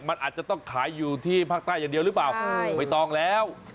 มันอาจจะต้องขายอยู่ที่ภาคใต้อย่างเดียวหรือเปล่าไม่ต้องแล้ว